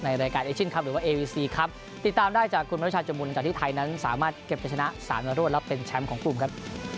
รายการเอเชียนคลับหรือว่าเอวีซีครับติดตามได้จากคุณมริชาจมุนจากที่ไทยนั้นสามารถเก็บจะชนะสามรวดและเป็นแชมป์ของกลุ่มครับ